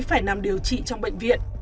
phải nằm điều trị trong bệnh viện